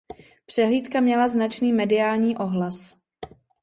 Přehlídka měla značný mediální ohlas.